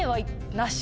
なし。